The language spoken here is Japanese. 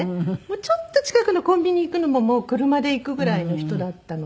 ちょっと近くのコンビニ行くのももう車で行くぐらいの人だったので。